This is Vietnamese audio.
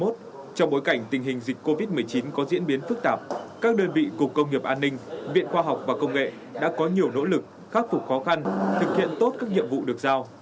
trong bối cảnh tình hình dịch covid một mươi chín có diễn biến phức tạp các đơn vị cục công nghiệp an ninh viện khoa học và công nghệ đã có nhiều nỗ lực khắc phục khó khăn thực hiện tốt các nhiệm vụ được giao